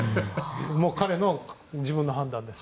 彼の自分の判断です。